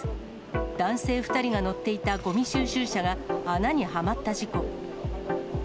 男性２人が乗っていたごみ収集車が穴にはまった事故。